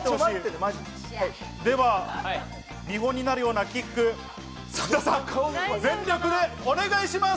では見本になるようなキック、曽田さん、全力でお願いします。